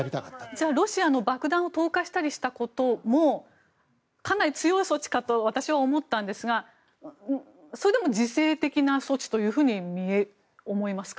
では、ロシアが爆弾を投下したりしたこともかなり強い措置かと私は思ったんですがそれでも自制的な措置だと思えますか？